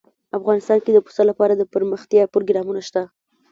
افغانستان کې د پسه لپاره دپرمختیا پروګرامونه شته.